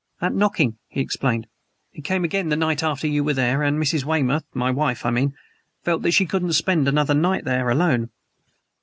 "That knocking," he explained. "It came again the night after you were there, and Mrs. Weymouth my wife, I mean felt that she couldn't spend another night there, alone."